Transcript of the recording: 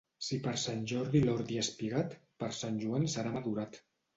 Si per Sant Jordi l'ordi ha espigat, per Sant Joan serà madurat.